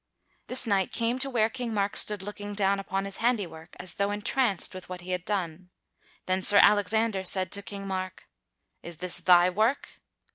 This knight came to where King Mark stood looking down upon his handiwork as though entranced with what he had done. Then Sir Alexander said to King Mark, "Is this thy work?"